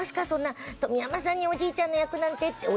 そんな富山さんにおじいちゃんの役なんて。